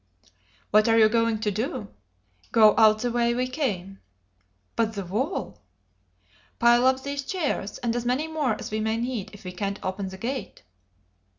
"What are you going to do?"' "Go out the way we came." "But the wall?" "Pile up these chairs, and as many more as we may need, if we can't open the gate."